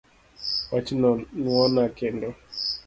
Wachno nuona kendo